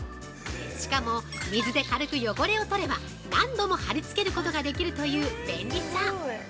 しかも、水で軽く汚れを取れば何度も貼り付けることができるという便利さ。